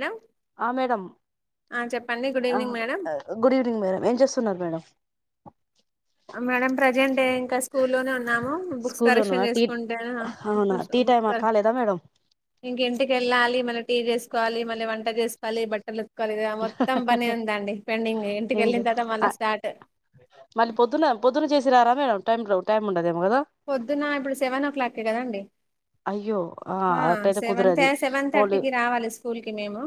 Madam ఆ madam ఆ చెప్పండి good evening madam good evening madam ఎం చెస్ సన్నారు మేడం మేడం ప్రజెంట్ ఇంకా స్కూల్ లోనే ఉన్నాము బుక్స్ కలెక్షన్ చేసుకుంట టైం కాలేదా మేడం ఇంక ఇంటికి వెళ్ళాలి మళ్ళ టీ చేసుకోవాలి మళ్ళీ వంట చేసుకోవాలి బట్టలు కలిగా మొత్తం పని ఉందండి పెండింగ్ ఇంటికి ఇంకా వెళ్ళిన తర్వాత మళా స్టార్ట్ పొద్దు చేసిరరా మేడం టైం టైమ్ ఉండదేమో కదా పొద్దున్న ఇప్పుడు సెవెన్ ఓ క్లాక్కే కదండి అయ్యో ఆ అట్టయితే సెవెన్ కుదరది సెవెన్ ఓన్లీ థర్టీకి రావాలి స్కూల్ కి మేము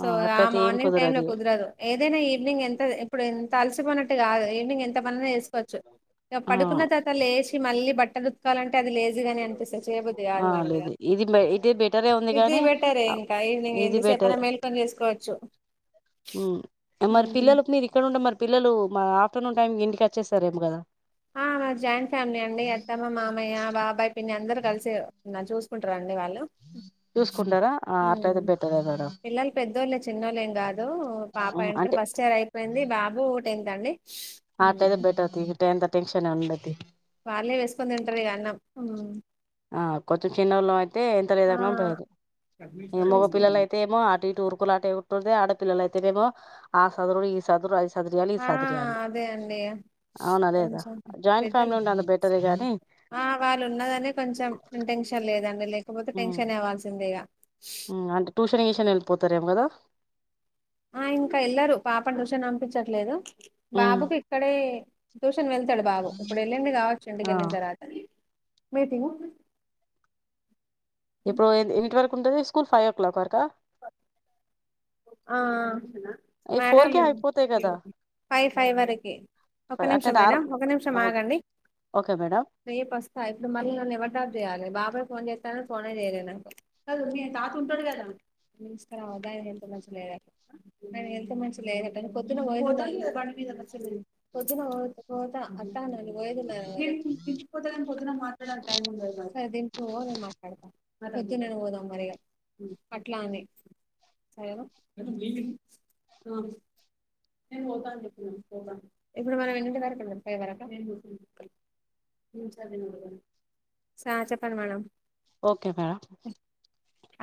సో ఆ అట్లయితే ఏం మార్నింగ్ టైమ్ లో కుదరది కుదరదు ఏదైనా ఈవినింగ్ ఎంత ఇప్పుడు ఎంత అ అలసిపోయినట్టు కాదు ఈవినింగ్ ఎంత మననే వేసుకోవచ్చుక ఆ పడుకున్న తర్త లేచసి మళ్ళీ బట్టలుతుకాలంట అది లేజ్గానే అనిపిస్తంది చేయబద్దు ఆ కాది మేడం ఇగా లేదు ఇది ఇది బెటరే ఉంది ఇది కానీ బెటరే ఇంకా ఈవెనింగ్ ఎంతసేపన మేల్కొని చేసుకోవచ్చు మ్మ్ మరి ఉమ్. పిల్లలుకు మీరు ఇక్కడ ఉంటే మరి పిల్లలు మా ఆఫ్టర్నూన్ టైం ఇంటికి వచ్చేస్తారేమో కదా ఆ మాద్ జాయింట్ ఫ్యామిలీ అండి. అత్తమ్మ, మామయ్య, బాబాయ్, పిన్ని, అందరు గలసేవ్ ఇగా జూస్ కుంట్రా అండి వాళ్ళు చూసుకుంటారా. ఆ అట్లైతే ఉమ్. బెటరేగా పిల్లలు పెద్దొళ్ళే చిన్నోళ్ళేం కాదు, పాప అంటే ఇంటర్ ఫస్ట్ ఇయర్ అయిపోయింది, బాబు టెన్త్. అండి ఆ ఉమ్. అట్లైతే బెటర్ తీయ్. ఇట్టాయైంత టెన్షన్ ఉండది. వాళ్ళే ఏసుకొని తింటరు ఇగా అన్నం. ఆ కొంచెం చిన్నోళ్లవైతే ఎంత ఆ లేదనోల్ బయబు, ఇగా మగ పిల్లల అయితే ఏమో అటు ఇ టూ ఊరుకులాటే ఉంటుంది. ఆడ పిల్లలు అయితేనేమో ఆ సదరు ఈ సదరు ఐస్ సదిరియాలి, ఆ సద్రయాలి. అదే అండి అవును అదేగా కొంచెం జాయింట్ పెద్దలు ఫ్యామిలీ ఉన్నాద్ బెటరే గాని ఆ వాళ్ళు ఉన్నదనే కొంచెం ఇన్టెన్షన్ లేదండి. లేకపోతే టెన్షన్ అవ్వాల్సిందే ఇగా హు అంట్ ట్యూషన్ గిషన్ ఏళ్ళిపోతారేమో గాదా ఆ ఇంకా ఎలారు. పాప ట్యూషన్ అంపించట్లేదు ఉమ్ బాబుకి ఇక్కడే దుష్ కన్ వెళ్తాడు బాబూ ఇప్పుడు ఏళ్ళిండు గావచ్చు ఇంటిక్ ఆ ఏళ్ళిన్ తర్వాత మీటింగ్ ఇప్పుడు ఏయిట్ వరకు ఉంటది. స్కూల్ ఫైవ్ ఓ క్లాక్ వరకా ఆ ఆ ఈ ఫోర్ మేడం కే అయిపోతాయి కదా ఫైవ్ ఫైవ్ వరకి ఒక అంటే నిమిషం నార్ మేడం, ఒక నిమిషం ఆగండి. ఓకే మేడం వే బస్తతైతే మాల్నా నన్ను ఎవరు డ్రాబ్ జేయాలె బాబాయ్ ఫోన్ జేత్ టారు ఫోనే జేయలే నాకు మంచి లేదాయ్ కానీ ఎంత మంచి లెహటన్ నీన్ ఇప్పుడు దింప్ పోతగాని పొద్దున మాట్లాడడానికి టైం ఉండదు మళ్ళా పొద్దుననే పోదాం మరిగా అట్లా అనే నేను ఆ ఇప్పుడు మనం ఎన్నిటి వరకు ఏళ్ళదం ఫైవ్ వరకా సా చెప్పండి మేడం ఒకే మేడమ్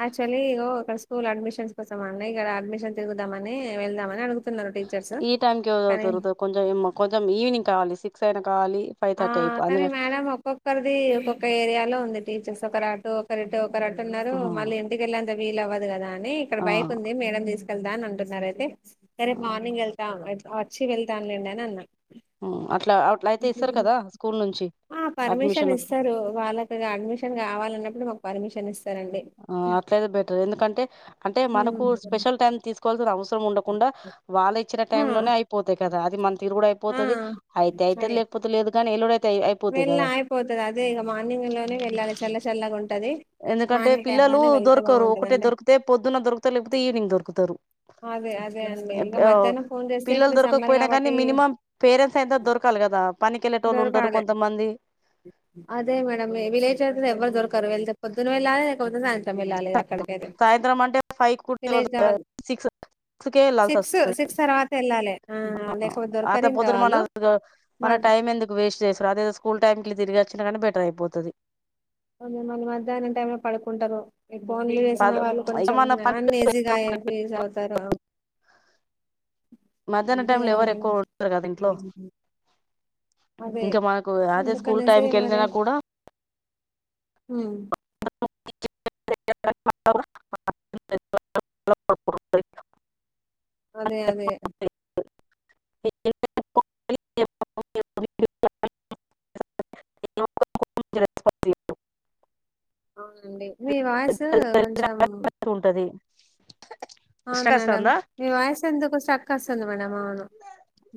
యాక్చువలీ ఇగో ఒక స్కూల్ అడ్మిషన్స్ కోసం అని ఇక్కడ అడ్మిషన్ తిరుగుదామని వెళ్దామని అడుగుతున్నారు. టీచర్స్ ఈ టైముకి ఎవరెవరు కానీ దొర్కుతర్ కొంచెం ఏమో కొంచెం ఈవినింగ్ కావాలి సిక్స్ అయిన ఆ కానీ మేడం ఒక్కొక్కరిది ఒక్కొక్క ఏరియాలో ఉంది టీచర్స్ ఒకరంటు ఒకరిటు క్రాటున్నారు. మళ్ళి ఇంటికేలే అంత వీల్ అవ్వదు కదా అని ఇక్కడ ఆ బైక్ ఉంది మేడం దిసుక్ ఏళ్తాన్ అని అంటున్నారు అయితే రేపు మార్నింగ్ ఏళ్ళతా వచ్చి వెళ్తాలేండి అని అన్నా హు అట్లా అట్లా అయితే ఇస్తారు కదా స్కూల్ నుంచి ఆ పర్మిషన్ అడ్మిషన్ ఇస్తారు. వాళ్ళకి అడ్మిషన్ కావాలన్నప్పుడు మాకు పర్మిషన్ ఇస్ ఆ అట్లైతే బెటర్ ఎందుకంటే అంటే మనకు హ్మ్. స్పెషల్ టైం తీసుకోవాల్సిన అవసరం ఉండకుండా వాళ్ళ ఇచ్చిన ఆ టైమ్ లోనే అయిపోతై కదా అది మన తీరు కూడా ఆ అయిపోతది, అయితాయితది. లేకపోతే లేదుగాని ఎల్లుడై వేల్ అయిపోతది అదే ఇగా మార్నింగ్ లోనే వెళ్ళాలి. చల్ల చల్లగా ఉంటది. ఎందుకంటే మార్నింగ్ టైమ్ పిల్లలు లోనే వెళ్తే దొరకరు, ఒకటే బాగుంటదండి దొరికితే పొద్దున్న దొరుకతే లేకపోతే ఈవినింగ్ దొరుకతారు. అదే అదే అండి ఇక మధ్యాహ్నం ఫోన్ చేస్తే పిల్లలు ఇప్పుడు సమ్మర్ దొరకాకపోయినా గానీ కాబట్టి మినిమం పేరెంట్స్ అయితే దొరకాల్ గాదా పనీ దొరకలే అదే మేడం విలేజ్త్ర ఎవరు దొరకారు వెళద్దు పొద్దున వెళ్ళలే కొద్దు సాయంత్రం ఏళ్ళాలిగా సాయంత్రం అంటే ఫైవ్ కుటనివద్ గా కావాలి సిక్స్ సిక్స్కే ఏళ్లాల్సి సిక్స్ వస్తది సిక్స్ తర్వాత వెళ్ళాలి ఆ లేకపోతే అంత దొరకరు ఇంకా పొద్దున్న వాళ్ళు మనదు మన మద్ టైమ్ ఎందు వేస్ట్ జేసుడు అదే ఏదో స్కూల్ టైంకి ఇట్లా తిరిగి వచ్చిన కానీ బెటర్ అయిపోతది ఉన్ మన్ మధ్యానం టైంలో పడుకుంటరు. ఈ ఫోన్లు వేసిన వాళ్ళు కొంచెం మన అన్ నేజీగా ఏ ఫేజ్ అవుతారు. ఆవ్ మధ్యానం టైమ్ లో కదా ఎవరు మేడం ఎక్కువ ఉడతారు కదా ఇంట్లో అదే ఇంకా మనకు అదే స్కూల్ అందుకనేసి టైంక్ కేళ్ళిన కూడా ఉమ్ [unintelligible] [unintelligible] అదే అదే [unintelligible] రెస్పాన్స్ లేదు అవును లేండి మీ వాయిసు కొంచెం ఉంటది అవును మేడం వస్తుందా మీ వాయిస్ ఎందుకో స్ట్రక్ వస్తుంది మేడం అవును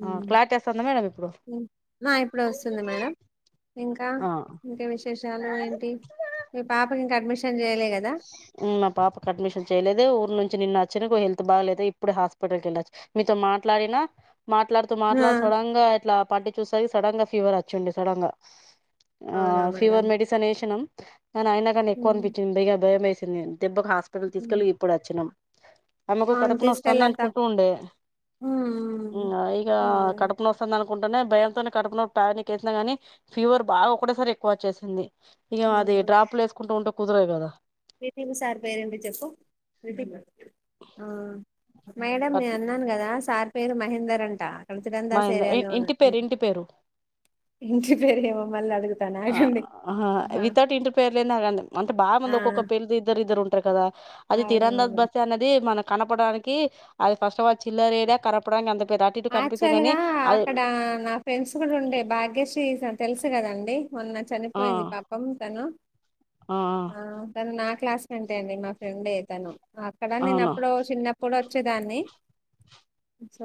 ఆ క్లారిటీ వస్తుందా మేడం ఇప్పుడు ఆ ఇప్పుడు వస్తుంది మేడం ఇంకా ఆ ఇంకా విశేషాలు ఏంటి మీ పాపకి ఇంకా అడ్మిషన్ చేయలే కదా మా పాపకు అడ్మిషన్ చేయలేద ఊరు నుంచి నిన్న వచ్చ ఒక హెల్త్ బాగాలేదు ఇప్పుడు హాస్పిటల్ కి వెళ్ళొచ్చు మీతో మాట్లాడినా మాట్లాడుతూ ఆ మాట్లాడ సడన్ గా ఇట్లా పట్టి చూస సడన్ గా ఫీవర్ వచ్చండి సడన్ గా ఆ అవునా మేడం ఫీవర్ మెడిసిన్ వేసినాం కానీ అయినా కానీ ఎక్కువ ఉమ్, అనిపించింది ఇగ భయం వేసింది దెబ్బకి హాస్పిటల్ ఉమ్. తీసుకెళ్లి ఇప్పుడు వచ్చినం ఆమెకు అవును కడుపుని వస్తోంది తీసుకెళ్ళా తప్ అనుకుంటూ ఉండే హ్మ్ ఇగా అదే కడుపు నొస్తుంది అనుకు కుంటనే భయంతోనే కడుపులో టాబ్లెట్ వేసిన గాని ఫీవర్ బాగా ఒకటేసారి ఎక్కువ వచ్చేసింది ఇగా అది అవునవును డ్రాప్లు వేసుకుంటూ ఉంటే కుదరదు కదా మీ సారు పేరు ఏం పేరు చెప్పు మేడం నేను అట్ల అన్నాను కదా సార్ పేరు మహేందర్ అంట సురేందర్ మహేంద సార్ ఏమో ఇంటి పేరు ఇంటి పేరు ఇంటి పేరు ఏమో మళ్ళీ అడుగుతాను ఆ ఆగండి ఆ వితౌట్ ఇంటిర్ పేర్ లేనా అంటే బాగా ఆ, మంది ఒక్కొక్క పేరు ఇద్దరు ఇద్దరు ఉంటారు కదా అది తరంధజ అవునవును బస్ అనేది మనం కనపడానికి అది ఫస్ట్ ఆఫ్ ఆల్ చిల్లర ఏదే కనపడానికి అ యాక్చువల్ గా అక్కడ నా ఫ్రెండ్స్ కూడా ఉండే భాగ్యశ్రీ తెలుసు కదండి మొన్న ఆ చనిపోయింది పాపం తను ఆ తను నాకు క్లాస్మేటే అండి మా ఫ్రెండ్ తను అక్కడ నేను అవును ఎప్పుడో చిన్నప్పుడు వచ్చేదాన్ని సో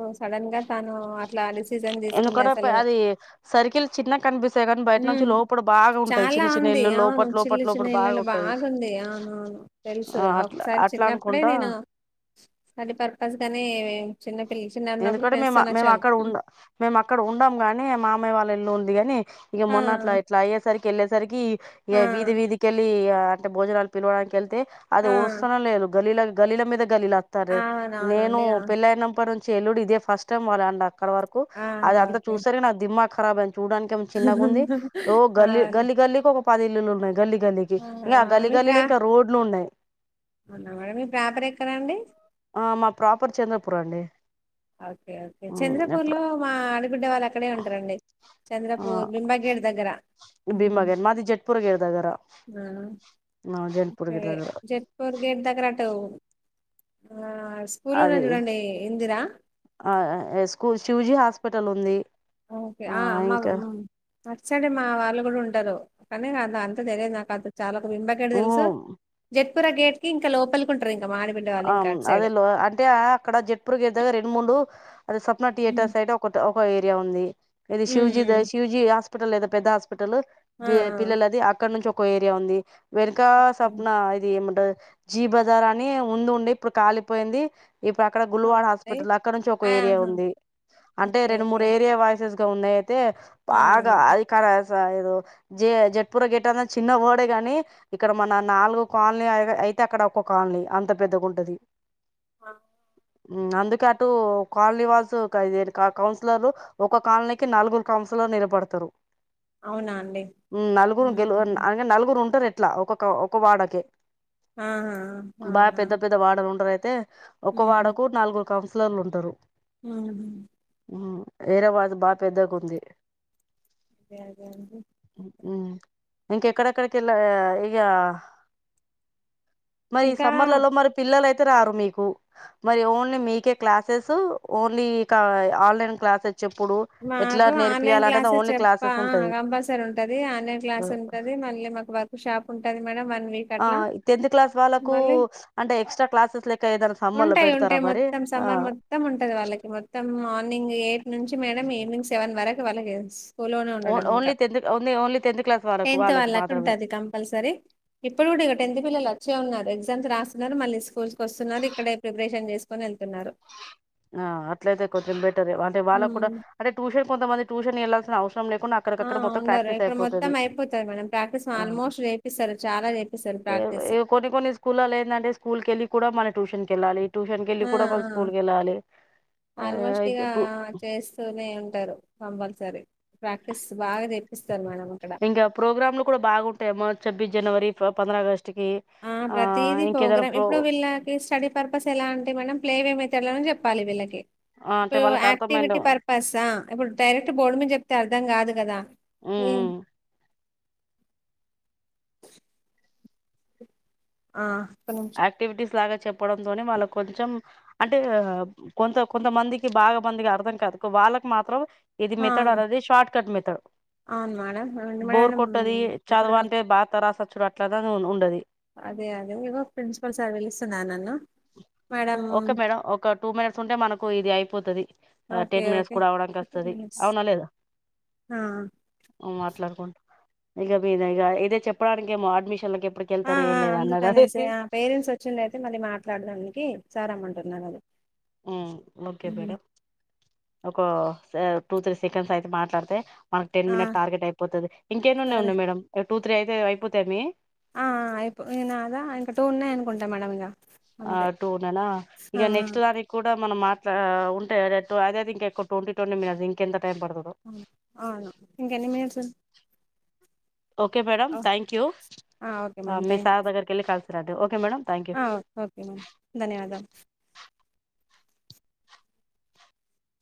తను అట్లా అనేసి ఎందుకోనాకు అది సరికిల్ చిన్నగా కనిపిస్తాయి కాని బయట నుంచి లోపల బాగా ఉంటుది చిన్న చిన్న ది ఇల్లు ఆ లోపట్ చిన్న లోపట్ చిన్న లోపట బాగా ఇల్లలు ఉంటది బాగుంది అవున తెలుసు ఆ అట్లా ఒకసారి అట్లా చిన్నప్పుడే అనుకుంటా నేను స్టడీ పర్పస్ గానే చిన్నపిల్ల చిన్నగా ఉన్నప్పుడు ఇక్కడ ఫ్రెండ్స్ మేము తోని మేము వచ్చేవాళ్ళం. అక్కడ ఉం మేము అక్కడ ఉండం గాని మా అమయ్య వాళ్ళ ఇల్లు ఉంది అని ఇగా ఆ! మొన్న అట్లా ఇట్లా అయ్యేసరికి వెళ్ళేసరికి ఇగ ఆ! వీధి వీధికిళ్ళి అంటే భోజనాలు పిలవడానికి వెళ్తే అది ఆ! ఊడుస్తానే లేదు గల్లీల గల్లీల మీద లుస్తారు నేను అవునవునండి. ఆ! పెళ్లయిన అప్పటి నుంచి ఎల్లుడు ఇదే ఫస్ట్ టైమ్ వాళ్ళ అండా వరకు ఆ! అది అంత ఓకే. చూస్తేనే నాకు దిమాక్ కరాబయ్యి చూడానికి ఏమో చిన్నగా ఉంది ఓ గల్లి అవును. గల్లి గల్లికి ఒక పది ఇల్లులు ఉన్నాయి గల్లీ గల్లీకి ఇంకా ఆ గల్లి గల్లి కి ఇంకా రోడ్లు ఉన్నాయి అవునా మేడం మీ ప్రాపర్ ఎక్కడండి ఆ మా ప్రాపర్ చంద్రపూర్ అండి ఓకే ఓకే చంద్రపూర్ లో మా ఆడిబిడ్డ వాళ్ళు అక్కడే ఉంటారండి చంద్రపూర్ బింబగేట్ దగ్గర భీమా హ్మ్. గర్ మాది జెట్ పూర్ గరు దగ్గరా జెట్ పూర్ గేట్ దగ్గర స్కూలు అది ఉన్నది చూడండి ఇందిరా ఆ స్కూల్ శివ్జీ హాస్పిటల్ ఉంది ఓకే ఆ అమ్మా అట్ సైడ్ మా వాళ్ళు కూడా ఉంటారు కానీ అది అంత తెలియదు నాకు అంత చాలా విమ్బ గేట్ తెలుసు జట్పుర గేట్ కి ఇంకా లోపలి ఉంటారు ఇంకా మా ఆడబిడ్డ వాళ్ళు ఆ ఇంకా అటు అదే సైడ్ లో అంటే అక్కడ జట్పూర్ గేట్ దగ్గర రెండు మూడు అది సప్న థియేటర్ ఉమ్ సైడ్ ఒక ఒక ఏరియా ఉంది ఇది శివ్జీ శివ్జీ హాస్పిటల్ లేద పెద్ద హాస్పి హాస్పిటల్లో ఆ పిల్లల అది అక్కడ నుంచి ఒక ఏరియా ఉంది వెనుక సప్న ఆ ఇది ఏమన్ ఇప్పుడు జీ బజార్ అని ముందు ఉండ ఇప్పుడు కాలిపోయింది ఇప్పుడు అక్కడ గుల్వాడ అయి హాస్పిటల్ అక్కడ నుంచి ఒక ఏరియా ఆహా ఉంది అంటే ఓకే రెండు మూడు ఓకే ఏరియా వైసెస్ ముందైతె ఆ బాగా అదికార రోజ జడ్పూర గేట్ అ చిన్న కోడె గాని ఇక్కడ మన నాలుగు కాలనీ ఐద్ అయితే అక్కడ ఒక్క కాలనీ అంత పెద్దగుంటది ఆ అందుకే అటు కాలనీ వాసు కౌన్సిలర్ ఒక కాలనీకి నలుగురు కౌన్స్ నిలబడతరు అవునా అండి మ్మ్ నలుగురు హుహు. అ నలుగురు ఉంటరు ఎ అట్లా ఒకొక్క ఒక వాడకే ఆ బాగా ఆహ పెద్ద పెద్ద వాడలు ఉంటరు అయితే ఒక వాడకు నాలుగు కౌన్సిలర్లు ఉంటరు మ్మ్ హ్మ్ మ్మ్ వీరవాజ బా పెద్దగా ఉంది అదే అదే అండి [inaudible] ఇంక ఎక్కడ ఎక్కడ కెళ్ల ఇగా ఇంకా మరి పిల్లలయితే రారు మీకు మరి ఓన్లీ మీకే క్లాసెస్ ఓన్లీ ఇక ఆ లన్ క్లాసెస్ చెప్పుడు ఎట్లా మాకు ఆన్లైన్ నేర్పియాలనేది క్లాసెస్ ఓన్లీ చెప్పా క్లాసెస్ ఉంటది కంపల్సరీ ఉంటది ఆన్లైన్ క్లాస్ ఉంటది మళ్ళీ మా వర్క్ షాప్ ఉంటది మేడం వన్ వీక్ ఆ అట్లా టెన్త్ క్లాస్ వాళ్ళకు మళ్ళీ అంటే ఎక్స్ట్రా క్లాసెస్ లెక్క ఏదైనా సమ్మర్ లో ఉంటాయి పెడతారా ఉంటాయి మరి మొత్తం ఆ సమ్మర్ మొత్తం ఉంటది వాళ్ళకి మొత్తం మార్నింగ్ ఇంగ్ ఎయిట్ నుంచి మేడం ఈవెనింగ్ సెవెన్ వరకు వెలగేన్స్ స్కూల్లోనే ఓన్ ఉండడం ఇంకా only tenth only only tenth class వాళ్ళకు టెన్త్ వాళ్ళకి వాళ్ళకు మాత్రమే ఉంటది కంపల్సరీ ఇప్పుడు కూడా ఇక టెన్త్ పిల్లలు సుల్లో ఉన్నారు ఎగ్జామ్స్ రాస్తున్నారు మళ్ళీ స్కూల్స్ కి వస్తున్నారు ఇక్కడే ప్రిపరేషన్ చేసుకొని వెళ్తున్నారు ఆ అట్లయితే కొంచెం బెటర్ అంటే వాళ్ళకు కూడా ఉమ్. అంటే ట్యూషన్ కొంతమంది ట్యూషన్ వెళ్ళాల్సిన అవసరం లేకుండా ఆ అక్కడికక్కడ మొత్తం ఉండరు ప్రాక్టీస్ ఇక్కడ మొత్తం అయిపోతది అయిపోతయి మేడం ప్రాక్టీస్ ఆ ఆల్మోస్ట్ నేర్పిస్తారు చాలా నేర్పిస్తారు కొన్ని కొన్ని స్కూల్లలో ఎందంటే స్కూల్ కెళ్ళి కూడా మన ట్యూషన్ కెల్లాలి ట్యూషన్కి వెళ్ళి ఆ కూడా ఆ స్కూల్ కెళ్ళాలి ఆల్మోస్ట్ ఇగ చేస్తూనే ఉంటారు కంపల్సరీ ప్రాక్టీస్ బాగా చేపిస్తారు మేడం అక్కడ ఇంగా ప్రోగ్రామ్లు కూడా బాగుంటాయమ్మో చెబ్ జనవరి ఫో పంద్ర అగస్ట్ ఆ ప్రతీది ప్రోగ్రామ్ ఇప్పుడు వీళ్ళకి స్టడీ పర్పస్ ఎలా అంటే మేడం ప్లేవే మెథడ్ లోనే చెప్పాలి వీళ్ళకి అంటే ఇప్పుడు వాళ్ళకి అర్థమైండ యాక్టివిటీ పర్పసా ఇప్పుడు డైరెక్ట్ బోర్డు మీద చెప్తే అర్ధం కాదు కదా ఏం ఉమ్ ఆ ఒక్క నిమిషం యాక్టివిటీస్ లాగా చెప్పడంతోనే వాళ్ళ కొంచెం అంటే క కొంత కొంతమందికి బాగా మంది అర్థం కాదు వాళ్ళకు మాత్రం ఇది ఆ, మెథడ్ అవును అనేది షార్ట్ కట్ మెథడ్ అవును మేడం అవును బోర్ మేడం కొట్టది ఇప్పుడు చదువా నాకు అంటే బాగా తరాసచ్చుడు అట్లా ఉండది అదే అదే ఇగో ప్రిన్సిపల్ సార్ పిలుస్తున్నా నన్ను మేడం ఓకే మేడం ఒక టూ మినిట్స్ ఉంటే మనకు ఇది అయ్ ఓకే టెన్ మినిట్స్ ఓకే కూడా అవడానికి వస్తది అవున లేదా ఆ మాట్లాడుకున్ ఇక మీద ఇక ఇదే చెప్పడానికి ఏమో అడ్మిషన్లకి ఎప్పుడికి ఆ వెళ్తారు ఏం ఆ లేదా అన్నదా అందుకనేసి ఆ పేరెంట్స్ వచ్చింద అయితే మళ్ళీ మాట్లాడడానికి సార్ రమ్మంటున్నారు అది మ్మ్ ఓకే మేడం ఒక టూ త్రీ సెకండ్స్ అయితే మాట్లాడితే మన టెన్ ఆ మినిట్ టార్గెట్ అయిపోతది ఇంకేన్నన్నా సరే ఉన్నాయి మేడం టూ త్రీ అయితే అయిపోతానే ఆ అయిపోయినదా ఇంకా టూ ఉన్నాయి అనుకుంటా మేడం ఇంగ ఆ టూననా ఇక నెక్స్ట్ దానికి కూడా మనం మాట్లా ఉంటేట్టు అదే ఇంక ట్వంటీ ట్వంటీ మిట్స్ ఇంకెంత టైం పడుతదో అవును అవును ఇంక ఎన్ని మినిట్స్ ఓకే మేడం ఓ థ్యాంక్ యూ ఆ ఓకే మేడం మీ థ్యాంక్ సార్ యూ దగ్గరికి వెళ్ళి కలిసి రాండి ఓకే మేడం థ్యాంక్ యూ ఉ ధన్యవాదాలు